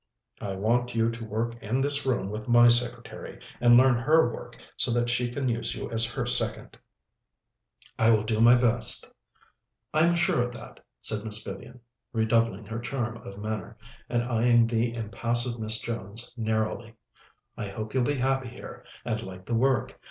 I want you to work in this room with my secretary, and learn her work, so that she can use you as her second." "I will do my best." "I'm sure of that," said Miss Vivian, redoubling her charm of manner, and eyeing the impassive Miss Jones narrowly. "I hope you'll be happy here and like the work.